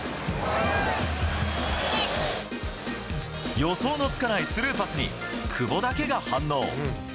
予想のつかないスルーパスに久保だけが反応。